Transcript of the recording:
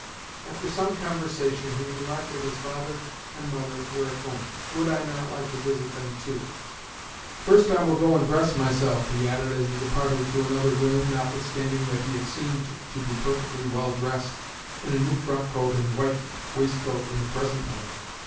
After some conversation he remarked that his father and mother were at home. Would I not like to visit them too? "First I will go and dress myself," he added as he departed to another room, notwithstanding that he had seemed to be perfectly well dressed (in a new frockcoat and white waistcoat) in the present one.